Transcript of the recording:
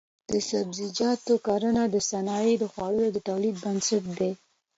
د سبزیجاتو کرنه د صحي خوړو د تولید بنسټ دی.